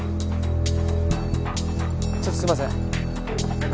ちょっとすいません。